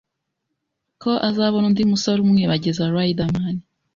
ko azabona undi musore umwibagiza Riderman